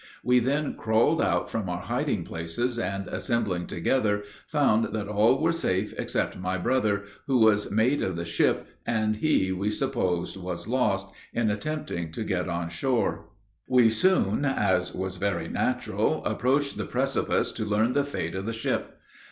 We then crawled out from our hiding places, and, assembling together, found that all were safe except my brother, who was mate of the ship, and he, we supposed, was lost, in attempting to get on shore. We soon, as was very natural, approached the precipice to learn the fate of the ship.